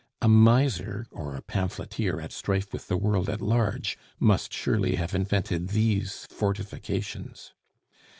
A miser, or a pamphleteer at strife with the world at large, must surely have invented these fortifications.